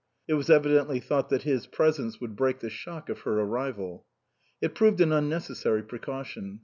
It was evidently thought that his presence would break the shock of her arrival. It proved an unnecessary precaution.